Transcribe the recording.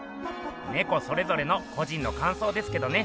ネコそれぞれの個人の感想ですけどね。